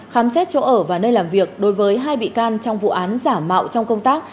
khám xét chỗ ở và nơi làm việc đối với hai bị can trong vụ án giả mạo trong công tác